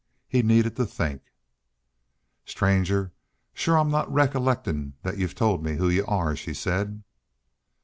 He needed to think. "Stranger shore I'm not recollectin' that y'u told me who y'u are," she said.